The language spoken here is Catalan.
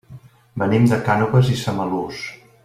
Venim de Cànoves i Samalús.